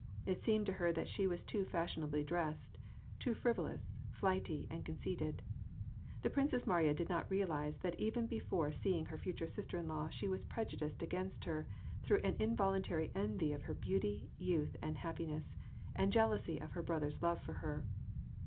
It seemed to her that she was too fashionably dressed, too frivolous, flighty, and conceited. The Princess Mariya did not realize that even be fore seeing her future sister in law she was prejudiced against her through an involuntary envy of her beauty, youth, and hap piness, and jealousy of her brother's love for her.